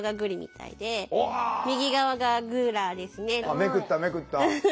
めくっためくった。